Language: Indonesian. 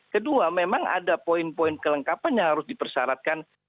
kedua memang ada poin poin kelengkapan yang harus dipersyaratkan